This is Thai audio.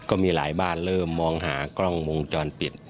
ก็มีหลายบ้านเริ่มมองหากล้องวงจรปิด